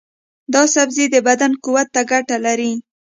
دا سبزی د بدن قوت ته ګټه لري.